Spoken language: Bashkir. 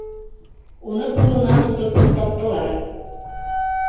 Уны ҡулынан тотоп туҡтаттылар.